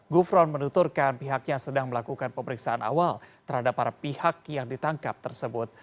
gufron menuturkan pihaknya sedang melakukan pemeriksaan awal terhadap para pihak yang ditangkap tersebut